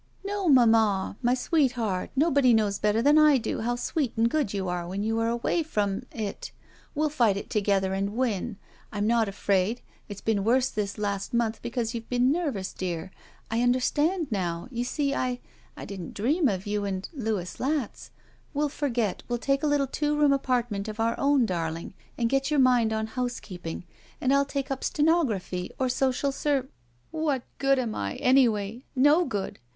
No, mamma. Why, sweetheart, nobody knows better than I do how sweet and good you are when you are away from — ^it. We'll fight it together and win! I'm not afraid. It's been worse this last month because you've been nervous, dear. I under stand now. You see, I — didn't dream of you and — Louis Latz. We'll forget — ^we'U take a little two room apartment of our own, darling, and get your mind on housekeeping, and I'll take up stenography or social ser —" "What good am I, anyway? No good.